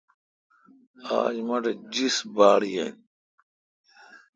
آج مٹھ جیس باڑ یین۔